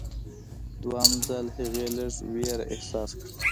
دوهم ځل هغې لږ ویره احساس کړه.